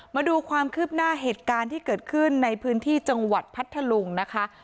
มาดูความคืบหน้าเหตุการณ์ที่เกิดขึ้นในพื้นที่จังหวัดพัทธลุงนะคะ